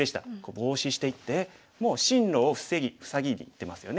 ボウシしていってもう進路を塞ぎにいってますよね。